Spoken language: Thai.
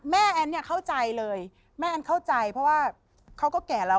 แม่แอนเข้าใจเลยเพราะว่าเขาก็แก่เรา